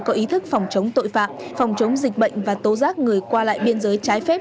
có ý thức phòng chống tội phạm phòng chống dịch bệnh và tố giác người qua lại biên giới trái phép